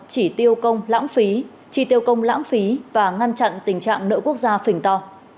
chỉ tiêu công lãng phí chi tiêu công lãng phí và ngăn chặn tình trạng nợ quốc gia phình to